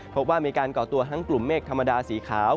พบว่ามีการก่อตัวทั้งกลุ่มเมฆธรรมดาสีขาว